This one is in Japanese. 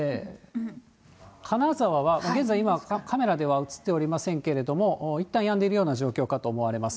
金沢は現在、今、カメラでは映っておりませんけれども、いったんやんでいるような状況かと思われます。